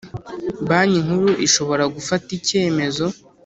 Banki Nkuru ishobora gufata icyemezo